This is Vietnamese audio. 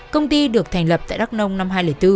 công ty được thành lập tại đắk nông năm hai nghìn bốn